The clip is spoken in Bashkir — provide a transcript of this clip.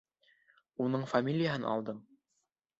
Уның фамилияһын алдым.